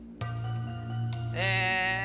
え。